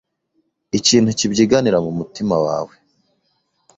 ikintu kibyiganira mu mutima wawe